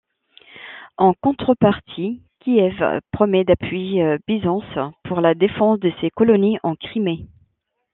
En contrepartie, Kiev promet d'appuyer Byzance pour la défense de ses colonies en Crimée.